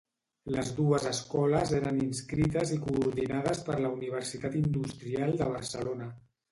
Les dues escoles eren inscrites i coordinades per la Universitat Industrial de Barcelona.